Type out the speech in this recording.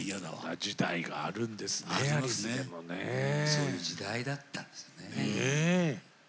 そういう時代だったんですね。